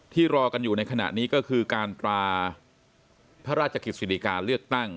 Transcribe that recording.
รอกันอยู่ในขณะนี้ก็คือการตราพระราชกิจสิริกาเลือกตั้ง